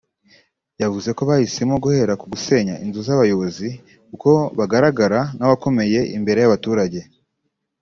yavuze ko bahisemo guhera ku gusenya inzu z’abayobozi kuko bagaragara nk’abakomeye imbere y’abaturage